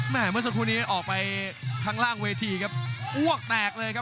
เมื่อสักครู่นี้ออกไปข้างล่างเวทีครับอ้วกแตกเลยครับ